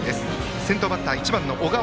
先頭バッター、１番の小川。